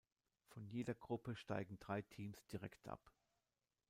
Von jeder Gruppe steigen drei Teams direkt ab.